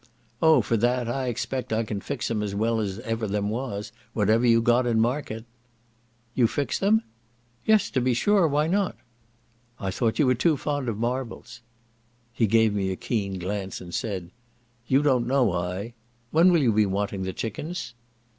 "Oh for that, I expect I can fix 'em as well as ever them was, what you got in market." "You fix them?" "Yes to be sure, why not?" "I thought you were too fond of marbles." He gave me a keen glance, and said, "You don't know I.—When will you be wanting the chickens?"